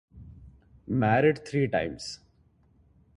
Married three times.